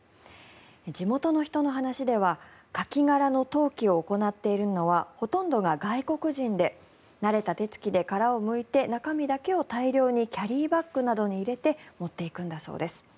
地元の人の話ではカキ殻の投棄を行っているのはほとんどが外国人で慣れた手付きで殻をむいて中身だけを大量にキャリーバッグなどに入れて持っていくんだそうです。